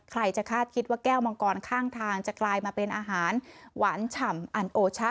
ใครจะคาดคิดว่าแก้วมังกรข้างทางจะกลายมาเป็นอาหารหวานฉ่ำอันโอชะ